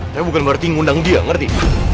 tapi bukan berarti ngundang dia ngerti